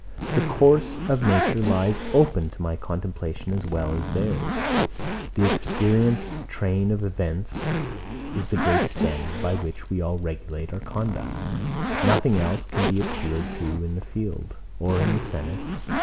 The course of nature lies open to my contemplation as well as to theirs. The experienced train of events is the great standard, by which we all regulate our conduct. Nothing else can be appealed to in the field, or in the senate.